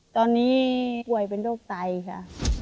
ตอนนี้ป่วยเป็นโรคไตค่ะ